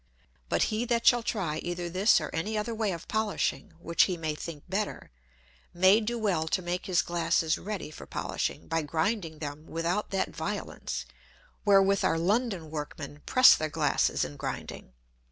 But he that shall try either this or any other way of polishing which he may think better, may do well to make his Glasses ready for polishing, by grinding them without that Violence, wherewith our London Workmen press their Glasses in grinding.